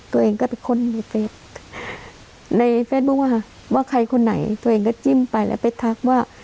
ตัวเองก็เป็นคนในเฟซบุ๊คว่าใครคนไหนตัวเองก็จิ้มไปแล้วไปทักว่า